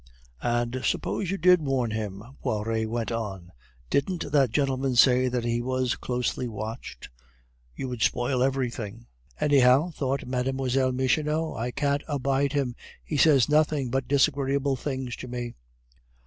"And suppose you did warn him," Poiret went on, "didn't that gentleman say that he was closely watched? You would spoil everything." "Anyhow," thought Mlle. Michonneau, "I can't abide him. He says nothing but disagreeable things to me."